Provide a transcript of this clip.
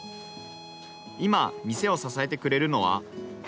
今、店を支えてくれるのは。